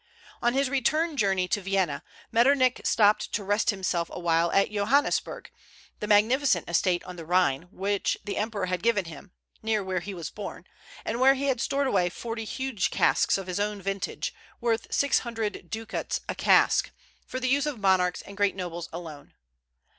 On his return journey to Vienna, Metternich stopped to rest himself a while at Johannisberg, the magnificent estate on the Rhine which the emperor had given him, near where he was born, and where he had stored away forty huge casks of his own vintage, worth six hundred ducats a cask, for the use of monarchs and great nobles alone.